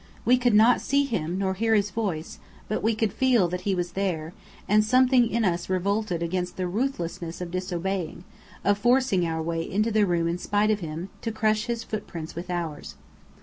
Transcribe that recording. We could not see him, nor hear his voice; but we could feel that he was there, and something in us revolted against the ruthlessness of disobeying, of forcing our way into the room in spite of him, to crush his footprints with ours.